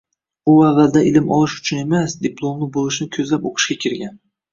U avvaldan ilm olish uchun emas, diplomli boʻlishni koʻzlab oʻqishga kirgan.